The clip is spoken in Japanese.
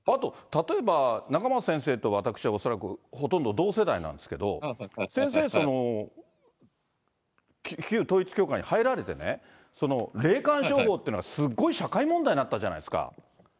例えば、仲正先生と私は恐らくほとんど同世代なんですけど、先生、旧統一教会に入られてね、霊感商法っていうのがすごい社会問題になったじゃないですか。